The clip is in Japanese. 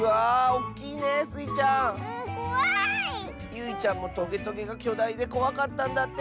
ゆいちゃんもトゲトゲがきょだいでこわかったんだって。